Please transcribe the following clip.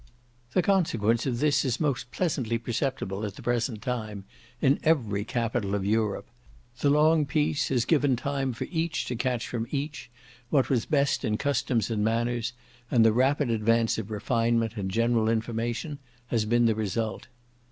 The consequence of this is most pleasantly perceptible at the present time, in every capital of Europe. The long peace has given time for each to catch from each what was best in customs and manners, and the rapid advance of refinement and general information has been the result.